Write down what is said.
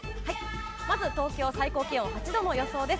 まず東京最高気温８度の予想です。